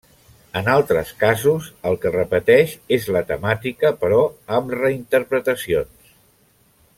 En altres casos el que repeteix és la temàtica, però amb reinterpretacions.